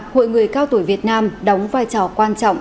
hội người cao tuổi việt nam đóng vai trò quan trọng